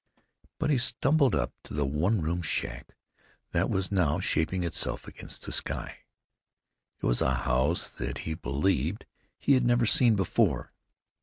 But he stumbled up to the one room shack that was now shaping itself against the sky. It was a house that, he believed, he had never seen before.